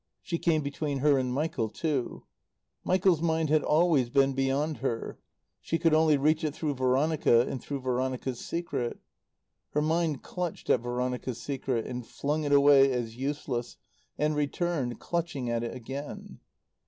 She came between her and Michael too. Michael's mind had always been beyond her; she could only reach it through Veronica and through Veronica's secret. Her mind clutched at Veronica's secret, and flung it away as useless, and returned, clutching at it again.